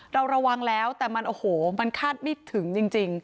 เราระวังแล้วแต่มันโอ้โหมันคาดไม่ถึงจริง